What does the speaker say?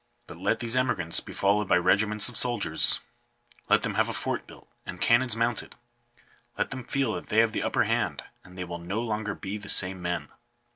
But let these emigrants be followed by regiments of soldiers — let them have a fort built, and cannons mounted — let them feel that they have the upper hand, and they will no longer be the same men.